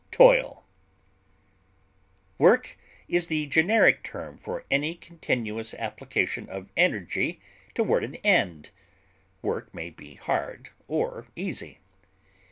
Work is the generic term for any continuous application of energy toward an end; work may be hard or easy.